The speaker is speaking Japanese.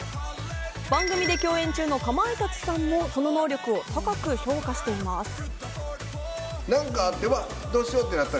番組で共演中のかまいたちさんもその能力を高く評価しています。